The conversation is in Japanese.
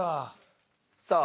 さあ。